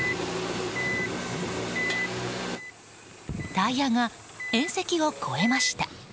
タイヤが縁石を越えました。